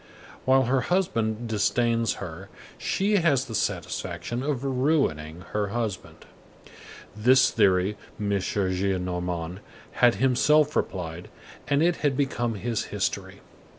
While her husband disdains her, she has the satisfaction of ruining her husband." This theory M. Gillenormand had himself applied, and it had become his history.